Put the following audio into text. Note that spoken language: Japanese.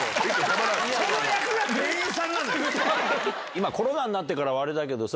今コロナになってからはあれだけどさ。